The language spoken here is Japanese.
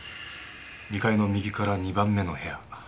２階の右から２番目の部屋。